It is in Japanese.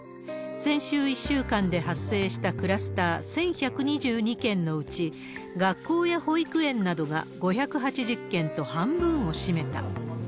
先週１週間で発生したクラスター１１２２件のうち、学校や保育園などが５８０件と半分を占めた。